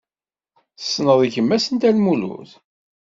Tessneḍ gma-s n Dda Lmulud?